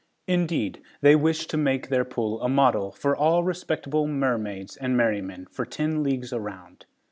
Indeed they wished to make their pool a model, for all respectable mermaids and merrymen, for ten leagues around.